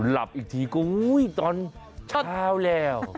หลับอีกทีก็เชิงท่าวแล้ว